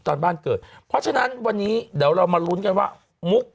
ตอนบ้านเกิดเพราะฉะนั้นวันนี้เดี๋ยวเรามาลุ้นกันว่ามุก